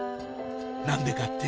何でかって？